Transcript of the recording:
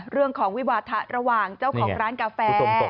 เรื่องของวิวาทะระหว่างเจ้าของร้านกาแฟ